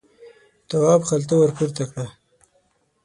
تواب خلته ور پورته کړه.